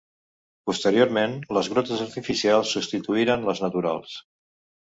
Posteriorment, les grutes artificials substituïren les naturals.